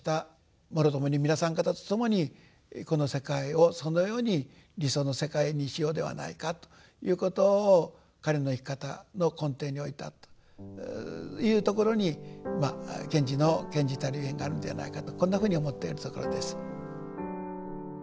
もろともに皆さん方と共にこの世界をそのように理想の世界にしようではないかということを彼の生き方の根底に置いたというところに賢治の賢治たるゆえんがあるんじゃないかとこんなふうに思っているところです。